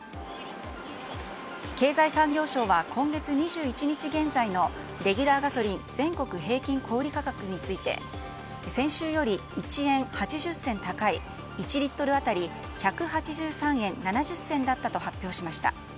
経済産業省は今月２１日現在のレギュラーガソリン全国平均小売価格について先週より１円８０銭高い１リットル当たり１８３円７０銭だったと発表しました。